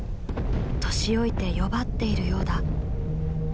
年老いて弱っているようだ。